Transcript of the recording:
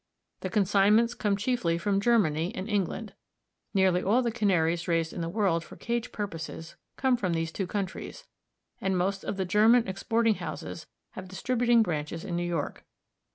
The consignments come chiefly from Germany and England. Nearly all the Canaries raised in the world for cage purposes come from these two countries, and most of the German exporting houses have distributing branches in New York.